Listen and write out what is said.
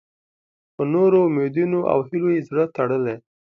په نورو امیدونو او هیلو یې زړه تړلی.